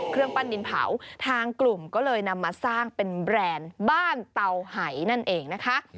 เครื่องปั้นดินเผาทางกลุ่มก็เลยนำมาสร้างเป็นแบรนด์บ้านเตาไห่นั่นเองนะคะ